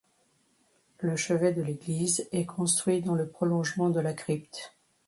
Le chevet de l'église est construit dans le prolongement de la crypte.